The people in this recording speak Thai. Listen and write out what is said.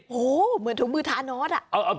โหเหมือนทุกมือทานอด